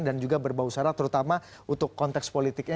dan juga berbau sarah terutama untuk konteks politiknya